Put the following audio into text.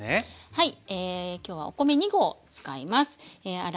はい。